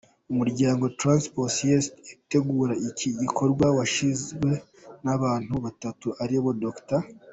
Umuryango Trans Poesis utegura iki gikorwa washinzwe n’abantu batatu aribo Dr.